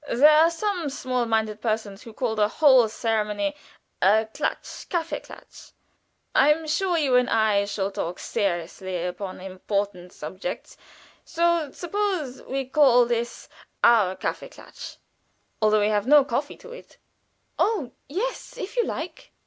There are some low minded persons who call the whole ceremony a Klatsch Kaffeeklatsch. I am sure you and I shall talk seriously upon important subjects, so suppose we call this our Kaffeeklatsch, although we have no coffee to it." "Oh, yes, if you like."